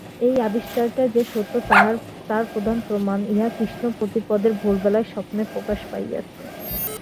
এই আবিষ্কারটা যে সত্য তার প্রধান প্রমাণ, ইহা কৃষ্ণপ্রতিপদের ভোরবেলায় স্বপ্নে প্রকাশ পাইয়াছে।